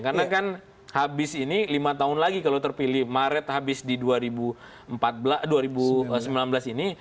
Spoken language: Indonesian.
karena kan habis ini lima tahun lagi kalau terpilih maret habis di dua ribu sembilan belas ini